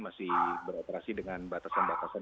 masih beroperasi dengan batasan batasan